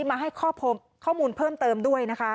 มาให้ข้อพบข้อมูลเพิ่มเติมด้วย